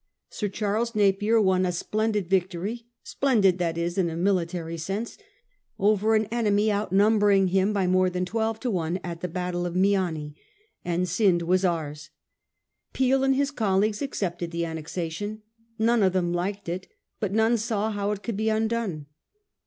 Sir Charles Napier won a splendid victory — splendid, that is, in a military sense — over an enemy outnumbering him by more than twelve to one at the battle of Meeanee ; and Scinde was ours. Peel and his colleagues accepted the annexation. None of them liked it ; but none saw how it could be undone.